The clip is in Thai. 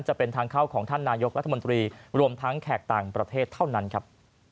จะเป็นทางเข้าของท่านนายกรัฐมนตรีรวมทั้งแขกต่างประเทศเท่านั้นครับ